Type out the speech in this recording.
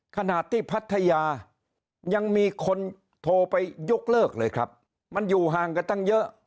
ขนาดที่พัทยายังมีคนโทรไปยกเลิกเลยครับมันอยู่ห่างกันตั้งเยอะ